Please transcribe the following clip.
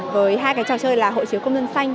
với hai cái trò chơi là hộ chiếu công dân xanh